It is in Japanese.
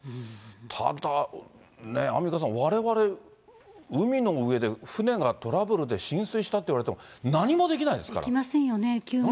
ただね、アンミカさん、われわれ海の上で船がトラブルで浸水したと言われても、何もできできませんよね。